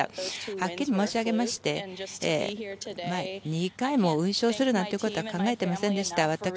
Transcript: はっきり申し上げまして２回も優勝するなんてことは考えてませんでした。